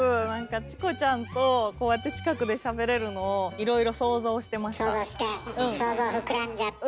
チコちゃんとこうやって近くでしゃべれるのをいろいろ想像してました。